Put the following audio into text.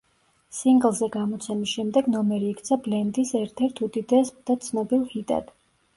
სინგლზე გამოცემის შემდეგ ნომერი იქცა ბლენდის ერთ-ერთ უდიდეს და ცნობილ ჰიტად.